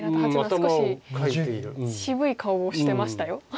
少し渋い顔をしてましたよ。